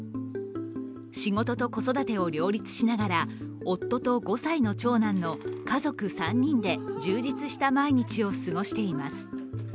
仕事と子育てを両立しながら夫と５歳の長男の家族３人で充実した毎日を過ごしています。